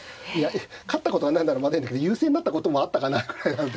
勝ったことがないんならまだいいんだけど優勢になったこともあったかなぐらいなんで。